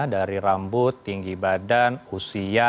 dari rambut tinggi badan usia